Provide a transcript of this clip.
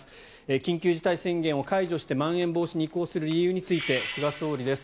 緊急事態宣言を解除してまん延防止に移行する理由について菅総理です。